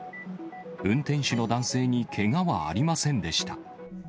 運転手の男性にけがはありませんでした。